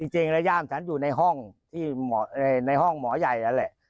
จริงแล้วย่ามฉันอยู่ในห้องที่ในห้องหมอใหญ่นั่นแหละ